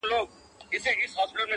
د دې نوي کفن کښ ګډه غوغا وه.!